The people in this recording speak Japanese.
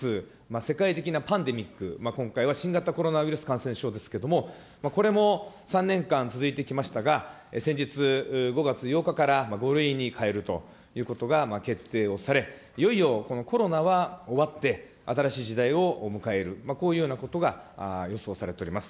世界的なパンデミック、今回は新型コロナウイルス感染症ですけれども、これも３年間続いてきましたが、先日、５月８日から５類に変えるということが決定をされ、いよいよ、このコロナは終わって、新しい時代を迎える、こういうようなことが予想されております。